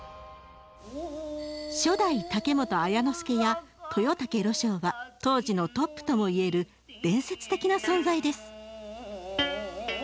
初代竹本綾之助や豊竹呂昇は当時のトップともいえる伝説的な存在です。